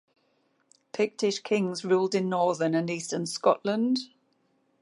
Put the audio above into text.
Pictish kings ruled in northern and eastern Scotland.